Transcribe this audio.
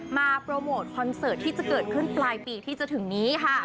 โปรโมทคอนเสิร์ตที่จะเกิดขึ้นปลายปีที่จะถึงนี้ค่ะ